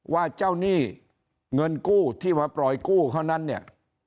ว่าเจ้าหนี้เงินกู้ที่มาปล่อยกู้เขานั้นเนี่ย